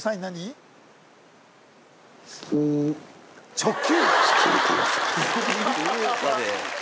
直球！